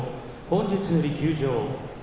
本日より休場。